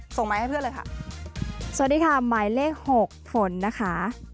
สวัสดีค่ะหมายเลข๔ออนแอนค่ะ